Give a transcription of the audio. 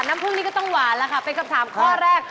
น้ำผึ้งนี่ก็ต้องหวานแล้วค่ะเป็นกับ๓ข้อแรก